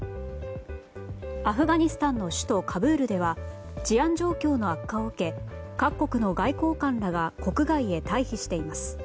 アフガニスタンの首都カブールでは治安状況の悪化を受け各国の外交官らが国外へ退避しています。